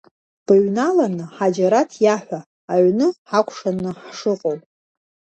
Быҩналаны Ҳаџьараҭ иаҳәа аҩны ҳакәшаны ҳшыҟоу.